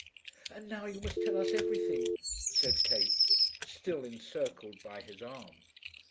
"And now you must tell us everything," said Kate, still encircled by his arm.